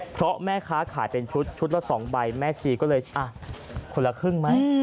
เพราะแม่ค้าขายเป็นชุดชุดละ๒ใบแม่ชีก็เลยคนละครึ่งไหม